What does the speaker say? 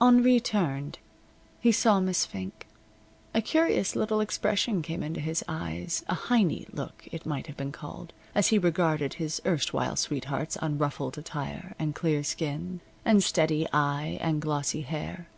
Henri turned. He saw Miss Fink. A curious little expression came into his eyes a Heiny look, it might have been called, as he regarded his erstwhile sweetheart's unruffled attire, and clear skin, and steady eye and glossy hair.